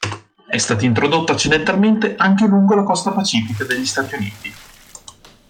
È stato introdotto accidentalmente anche lungo la costa pacifica degli Stati Uniti.